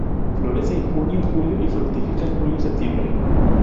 Florece en junio-julio y fructifica en julio-septiembre.